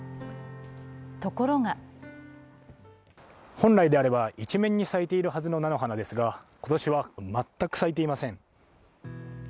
ところが本来であれば一面に咲いているはずの菜の花ですが今年は全く咲いていません。